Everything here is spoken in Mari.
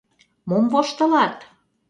Мом воштылат?